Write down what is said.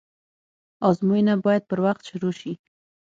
آزموينه بايد پر وخت شروع سي.